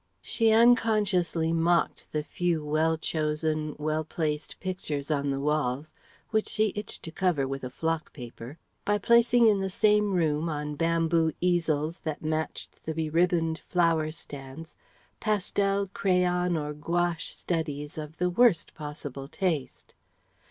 She unconsciously mocked the few well chosen, well placed pictures on the walls (which she itched to cover with a "flock" paper) by placing in the same room on bamboo easels that matched the be ribboned flower stands pastel, crayon, or gouache studies of the worst possible taste.